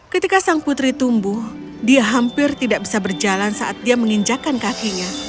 ketika sang putri tumbuh dia hampir tidak bisa berjalan saat dia menginjakan kakinya